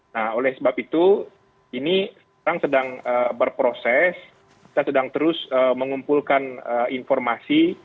nah oleh sebab itu ini sekarang sedang berproses kita sedang terus mengumpulkan informasi